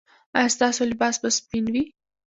ایا ستاسو لباس به سپین وي؟